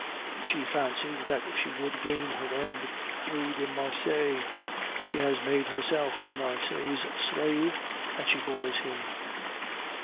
She fancied that she should gain her end through de Marsay; she has made herself de Marsay's slave, and she bores him.